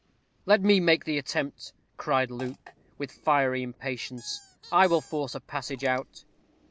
"Let me make the attempt," cried Luke, with fiery impatience. "I will force a passage out."